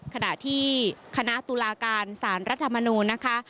ขณะที่คณะตุลาการสารรัฐมนูลนะคะ